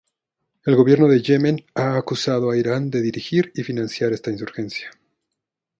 El Gobierno de Yemen ha acusado a Irán de dirigir y financiar esta insurgencia.